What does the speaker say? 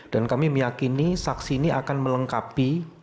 dan kami meyakini saksi ini akan melengkapi